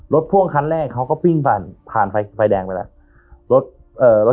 พ่วงคันแรกเขาก็วิ่งผ่านผ่านไฟไฟแดงไปแล้วรถเอ่อรถ